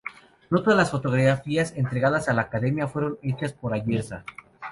No todas las fotografías entregadas a la Academia fueron hechas por Ayerza.